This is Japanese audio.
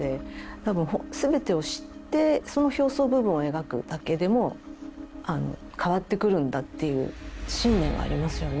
多分すべてを知ってその表層部分を描くだけでも変わってくるんだっていう信念はありますよね。